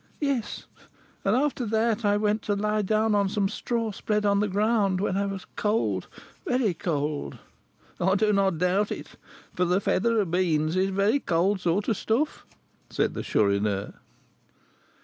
"Yes. And after that I went to lie down on some straw spread on the ground; when I was cold very cold." "I do not doubt it, for the feather of beans (straw) is a very cold sort of stuff," said the Chourineur.